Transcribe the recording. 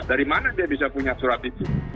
dari mana dia bisa punya surat itu